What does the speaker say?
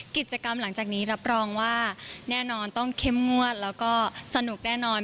กิจกรรมหลังจากนี้รับรองว่าแน่นอนต้องเข้มงวดแล้วก็สนุกแน่นอน